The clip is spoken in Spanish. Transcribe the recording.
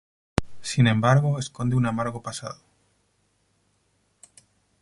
Sin embargo, esconde un amargo pasado.